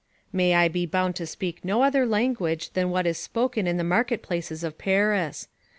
May I be bound to speak no other language than what is spoken in the market places of Paris!